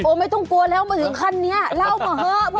โอ้ไม่ต้องกลัวแล้วมาถึงขั้นนี้เล่ามาเถอะเพื่อคุณ